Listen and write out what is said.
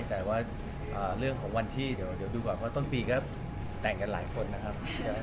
แต่ว่าเรื่องของวันที่เดี๋ยวดูก่อนว่าต้นปีก็แต่งกันหลายคนนะครับ